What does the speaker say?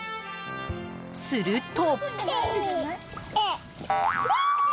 すると。